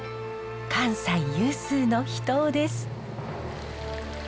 関西有数の秘湯です。